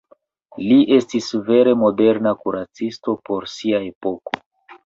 Li estis vere moderna kuracisto por sia epoko.